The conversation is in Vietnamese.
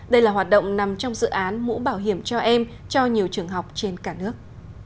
đây là hoạt động nằm trong dự án mũ bảo hiểm cho em cho nhiều trường học trên cả nước